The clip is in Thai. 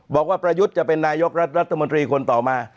บอกว่าประยุทธ์จะเป็นนายกรัฐมนตรีคนต่อมา